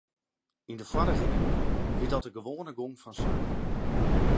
Yn de foarrige iuw wie dat de gewoane gong fan saken.